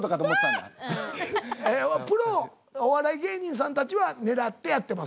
プロお笑い芸人さんたちは狙ってやってます。